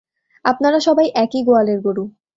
আপনারা সবাই একই গোয়ালের গরু!